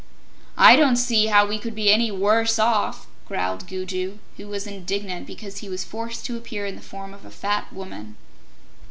"I don't see how we could be any WORSE off," growled Gugu, who was indignant because he was forced to appear in the form of a fat woman.